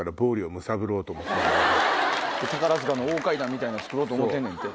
宝塚の大階段みたいなん作ろうと思うてんねんて。